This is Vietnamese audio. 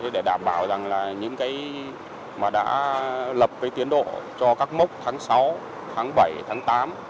để đảm bảo rằng là những cái mà đã lập cái tiến độ cho các mốc tháng sáu tháng bảy tháng tám